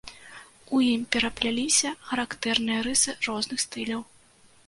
У ім перапляліся характэрныя рысы розных стыляў.